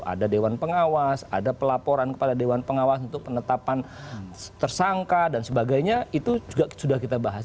ada dewan pengawas ada pelaporan kepada dewan pengawas untuk penetapan tersangka dan sebagainya itu juga sudah kita bahas